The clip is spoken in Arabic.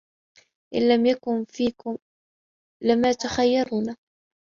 إِنَّ لَكُم فيهِ لَما تَخَيَّرونَ